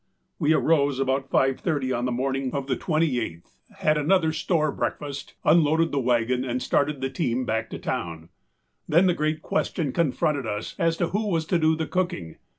We arose about five thirty on the morning of the twenty eighth, had another store breakfast, unloaded the wagon, and started the team back to town. Then the great question confronted us as to who was to do the cooking.